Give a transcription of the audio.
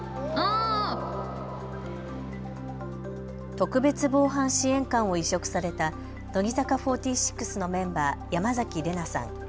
特別防犯支援官を委嘱された乃木坂４６のメンバー、山崎怜奈さん。